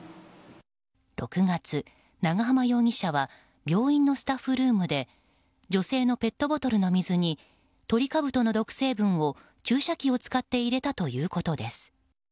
６月、長浜容疑者は病院のスタッフルームで女性のペットボトルの水にトリカブトの毒成分を注射器を使って入れたということです。